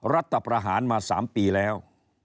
รัฐประหารมา๓ปีแล้ว